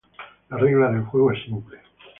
La regla del juego es simple.